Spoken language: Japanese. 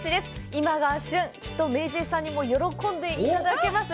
今が旬、きっとＭａｙＪ．さんにも喜んでいただけます